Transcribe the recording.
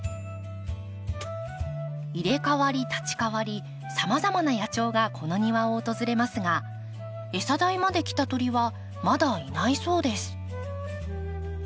入れ代わり立ち代わりさまざまな野鳥がこの庭を訪れますが餌台まで来た鳥はまだいないそうです。